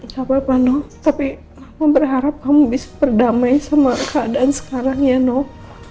gak apa apa noh tapi mama berharap kamu bisa berdamai sama keadaan sekarang ya noh